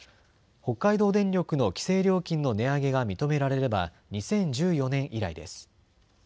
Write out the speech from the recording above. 北海道電力の規制料金の値上げが認められれば２０１４年以来です。